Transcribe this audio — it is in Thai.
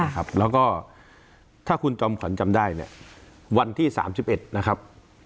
แล้วก็ถ้าคุณจอมข่อนจำได้วันที่๓๑นะครับ